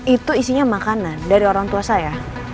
itu isinya makanan dari orang tua saya